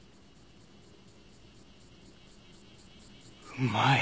うまい。